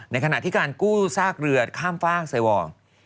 ในขณะที่การกู้ซากเรือค้ำฝากเสวอวน